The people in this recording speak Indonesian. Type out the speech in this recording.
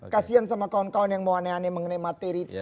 kasian sama kawan kawan yang mau aneh aneh mengenai materi